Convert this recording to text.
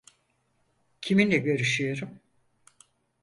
Kiminle görüşüyorum?